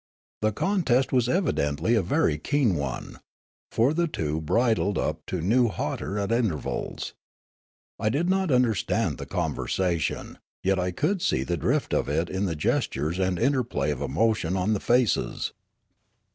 The contest was evidentl}' a very keen one ; for the two bridled up to new hauteur at intervals. I did not understand the conversation ; j^et I could see the drift of it in the gestures and interplay of emotion on the faces.